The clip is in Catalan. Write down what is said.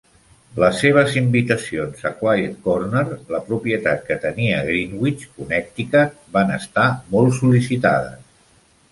Les seves invitacions a "Quiet Corner", la propietat que tenia a Greenwich, Connecticut, van estar molt sol·licitades.